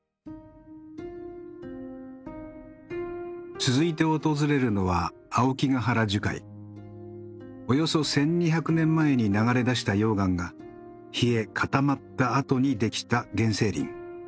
続いて訪れるのはおよそ１，２００年前に流れ出した溶岩が冷え固まったあとにできた原生林。